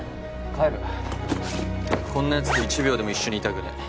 帰るこんなやつと１秒でも一緒にいたくねえ